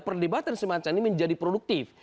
perdebatan semacam ini menjadi produktif